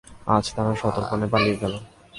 আর তারা সন্তর্পণে পালিয়ে গেল।